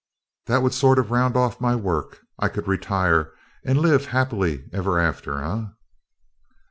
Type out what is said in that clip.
That would sort of round off my work. I could retire and live happy ever after, eh?"